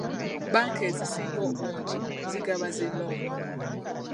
Bbanka ezisinga obungi zigaba zi looni.